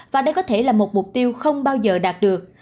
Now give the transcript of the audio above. và đây có thể là một mục tiêu không bao giờ đạt được